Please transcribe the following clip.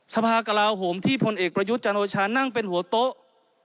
สภากลาโหมที่พลเอกประยุทธ์จันโอชานั่งเป็นหัวโต๊ะ